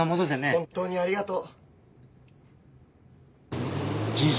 本当にありがとう。